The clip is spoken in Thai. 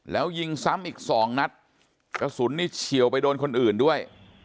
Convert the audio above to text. แล้วยิงซ้ำอีกสองนัดกระสุนนี่เฉียวไปโดนคนอื่นด้วย